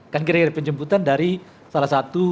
kan kira kira penjemputan dari salah satu